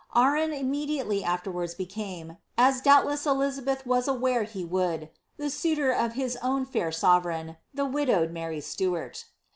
' Arran immediately afterwards became, as doubtless Elizabeth was aware he would, the suitor of his own fair sovereign, the widowed Mary Stuart.